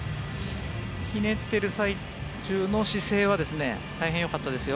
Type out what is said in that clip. ひねっている最中の姿勢は大変よかったですよ。